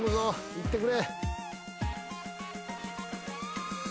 いってくれ。